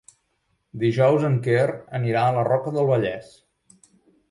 Dijous en Quer anirà a la Roca del Vallès.